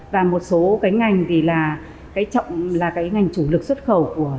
và một số cái ngành thì là cái trọng là cái ngành chủ lực xuất khẩu